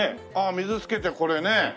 水つけてこれね。